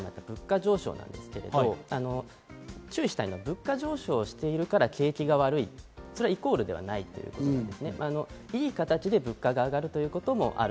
ＶＴＲにあった物価上昇なんですけど、注意したいのは物価上昇しているから景気が悪い、イコールではないということです。